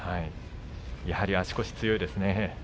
やはり足腰、強いですね。